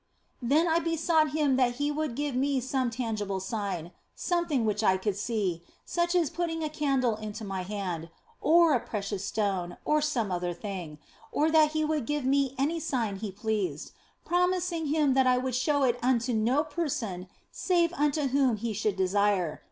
Then I besought Him that He would give me some tangible sign, something which I could see ; such as putting a candle into my hand, or a precious stone, or some other thing, or that He would give me any sign He pleased, promising Him that I would show it unto no person save unto whom He should desire.